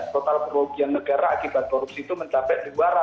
total kerugian negara akibat korupsi itu mencapai dua ratus